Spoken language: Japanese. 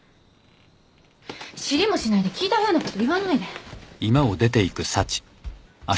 知りもしないで聞いたふうなこと言わないで。